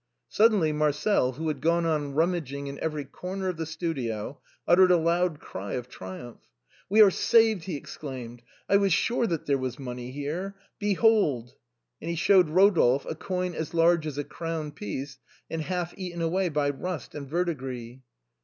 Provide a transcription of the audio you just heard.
Suddenly Marcel, who had gone on rummaging in every corner of the studio, uttered a loud cry of triumph. " We are saved !" he exclaimed. " I was sure that there was money here. Behold !" and he showed Rodolphe a coin as large as a crown piece, and half eaten away by rust and verdigris.